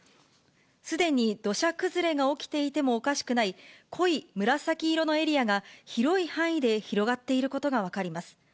すでに土砂崩れが起きていてもおかしくない、濃い紫色のエリアが、広い範囲で広がっていることが分かります。